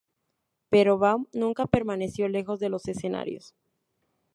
Pero Baum nunca permaneció lejos de los escenarios.